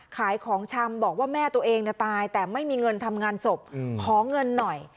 ขายของชำบอกว่าแม่ตัวเองตายแต่ไม่มีเงินทำงานศพขอเงินหน่อย